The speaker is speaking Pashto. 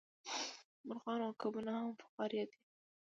مارغان او کبونه هم فقاریه دي